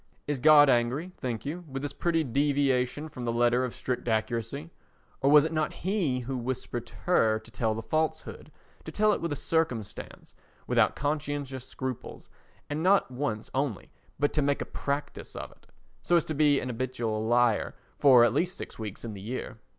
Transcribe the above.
Is God angry, think you, with this pretty deviation from the letter of strict accuracy? or was it not He who whispered to her to tell the falsehood, to tell it with a circumstance, without conscientious scruples, and not once only but to make a practice of it, so as to be an habitual liar for at least six weeks in the year?